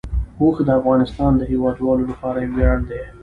اوښ د افغانستان د هیوادوالو لپاره یو ویاړ دی.